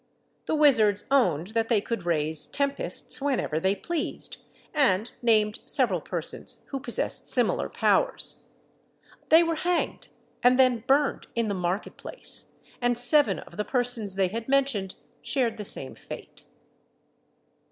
The wizards owned that they could raise tempests whenever they pleased, and named several persons who possessed similar powers. They were hanged, and then burned in the market place, and seven of the persons they had mentioned shared the same fate.